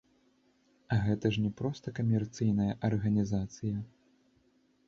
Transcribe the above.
А гэта ж не проста камерцыйная арганізацыя.